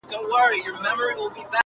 • بزګر وویل خبره دي منمه -